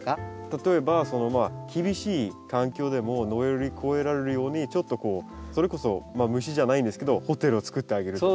例えばその厳しい環境でも乗り越えられるようにちょっとこうそれこそまあ虫じゃないんですけどホテルを作ってあげるとか。